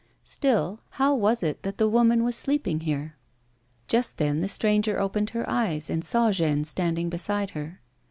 Still how was it that the woman was sleeping here 1 Just then the stranger opened her eyes and saw Jeanne standing beside her.